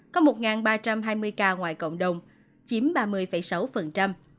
có một ba trăm hai mươi ca ngoài cộng đồng chiếm ba mươi sáu